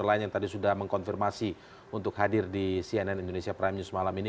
lain yang tadi sudah mengkonfirmasi untuk hadir di cnn indonesia prime news malam ini